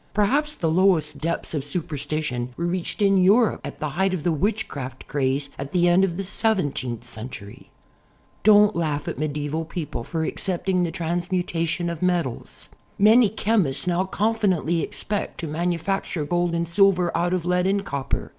Probably the lowest depths of superstition were reached in Europe at the height of the witchcraft craze at the end of the seventeenth century. Don't laugh at medieval people for accepting the trans mutation of metals. Many chemists now confidently ex pect to manufacture gold and silver out of lead and copper.